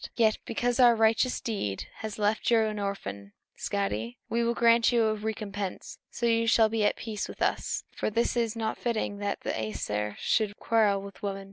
Yet because our righteous deed has left you an orphan, Skadi, we will grant you a recompense, so you shall be at peace with us; for it is not fitting that the Æsir should quarrel with women.